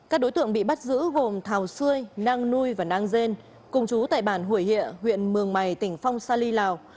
các đối tượng bị bắt giữ gồm thảo sươi năng nui và năng dên cùng chú tại bản hủy hiệ huyện mường mày tỉnh phong sali lào